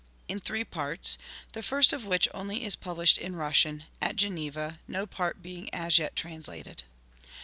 In three parts; the first of which only is published in Rus sian, at Geneva — no part being as yet translated.